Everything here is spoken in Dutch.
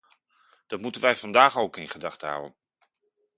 Dat moeten wij vandaag ook in gedachten houden.